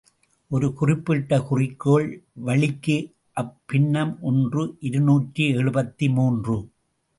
ஒரு குறிப்பிட்ட குறிக்கோள் வளிக்கு அப்பின்னம் ஒன்று இருநூற்று எழுபத்து மூன்று.